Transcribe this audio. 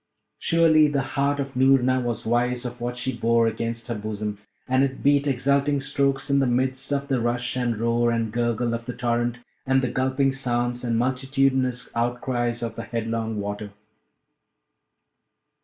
Surely, the heart of Noorna was wise of what she bore against her bosom; and it beat exulting strokes in the midst of the rush and roar and gurgle of the torrent, and the gulping sounds and multitudinous outcries of the headlong water.